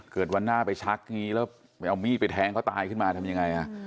วันหน้าไปชักอย่างนี้แล้วไปเอามีดไปแทงเขาตายขึ้นมาทำยังไง